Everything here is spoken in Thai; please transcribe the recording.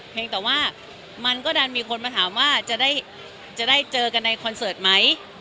แต่ว่ามันก็ดันมีคนมาถามว่าจะได้เจอกันในคอนเสิร์ตไหม